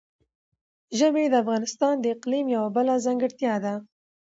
ژبې د افغانستان د اقلیم یوه بله ځانګړتیا ده.